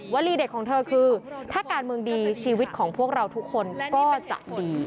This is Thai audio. ลีเด็ดของเธอคือถ้าการเมืองดีชีวิตของพวกเราทุกคนก็จะดี